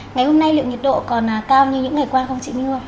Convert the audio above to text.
ngày hôm nay liệu nhiệt độ còn cao như những ngày qua không chị minh ạ